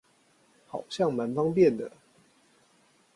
好像滿方便的